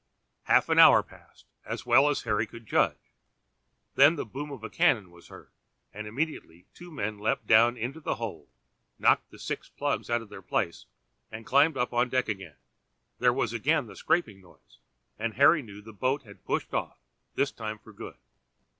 Half an hour passed, as well as Harry could judge; then the boom of a cannon was heard, and immediately two men leapt down into the hold, knocked the six plugs out of their place, and climbed up on deck again. There was again the scraping noise, and Harry knew the boat had pushed off this time for good.